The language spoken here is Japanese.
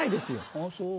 ああ、そう？